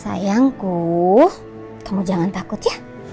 sayangku kamu jangan takut ya